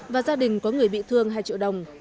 và gia đình có người bị thương hai triệu đồng